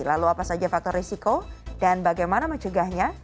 lalu apa saja faktor risiko dan bagaimana mencegahnya